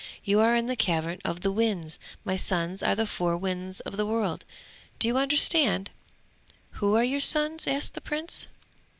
'You are in the cavern of the winds; my sons are the four winds of the world! Do you understand?' 'Who are your sons?' asked the Prince.